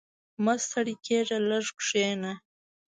• مه ستړی کېږه، لږ کښېنه.